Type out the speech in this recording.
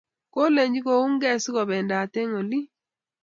Kolech kounkey sikobendat eng' olin